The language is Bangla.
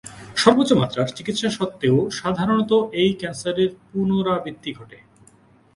সর্বোচ্চ মাত্রার চিকিৎসা সত্ত্বেও সাধারণত এই ক্যান্সারের পুনরাবৃত্তি ঘটে।